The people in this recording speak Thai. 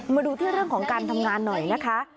มาดูที่เรื่องของการทำงานหน่อยนะคะ